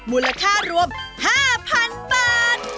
มูลค่ารวม๕๐๐๐บาท